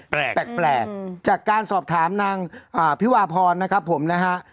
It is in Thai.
แปลกแปลกแปลกแปลกจากการสอบถามนางอ่าพี่วาพรนะครับผมนะฮะ